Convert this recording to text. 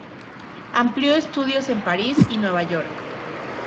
Amplió estudios en París y Nueva York.